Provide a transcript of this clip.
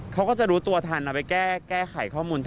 เขาก็จะรู้ตัวทันเอาไปแก้ไขข้อมูล